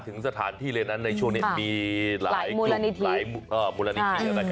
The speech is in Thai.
ถึงสถานที่เลยนั้นในช่วงนี้มีหลายกลุ่มหลายมูลนิธิ